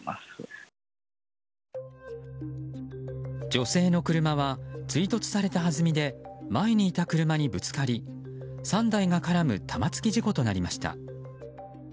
女性の車は追突されたはずみで前にいた車にぶつかり３台が絡む玉突き事故となりました。